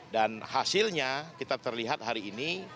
dan hasilnya kita terlihat hari ini